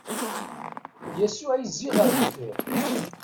Yasuɛ izzi ɣer deffir.